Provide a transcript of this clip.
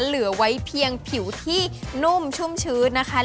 เหลือไว้เพียงผิวที่นุ่มชุ่มชื้นนะคะ